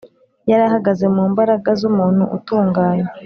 . Yari ahagaze mu mbaraga z’umuntu utunganye,